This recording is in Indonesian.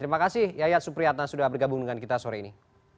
terima kasih yayat supriyatna sudah bergabung dengan kita sore ini